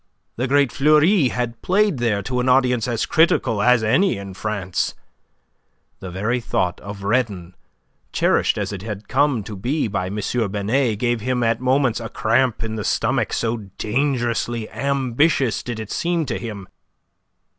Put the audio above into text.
The great Fleury had played there to an audience as critical as any in France. The very thought of Redon, cherished as it had come to be by M. Binet, gave him at moments a cramp in the stomach, so dangerously ambitious did it seem to him.